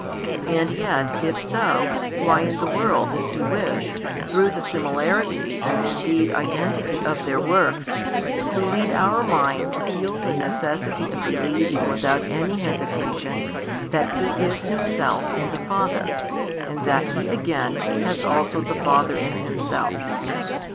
And yet, if so, why in the world does He wish, through the similarity and indeed identity of their works, to lead our mind to feel the necessity of believing without any hesitation that He is Himself in the Father, and that He again has also the Father in Himself?